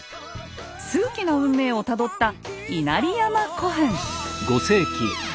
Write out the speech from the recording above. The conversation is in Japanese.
数奇な運命をたどった「稲荷山古墳」！